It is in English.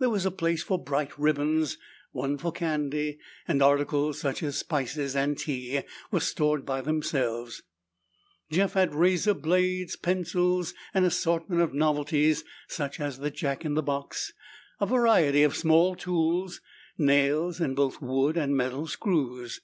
There was a place for bright ribbons, one for candy, and articles such as spices and tea were stored by themselves. Jeff had razor blades, pencils, an assortment of novelties such as the jack in the box, a variety of small tools, nails, and both wood and metal screws.